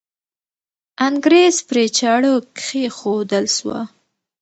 انګریز پرې چاړه کښېښودل سوه.